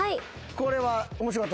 これは面白かったですか？